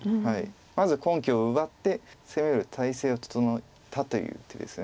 まず根拠を奪って攻める態勢を整えたという手です。